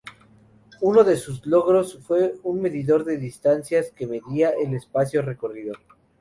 Uno de sus logros fue un medidor de distancias que medía el espacio recorrido.